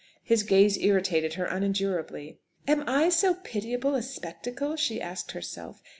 His gaze irritated her unendurably. "Am I so pitiable a spectacle?" she asked herself.